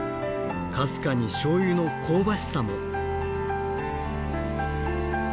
かすかにしょうゆの香ばしさも。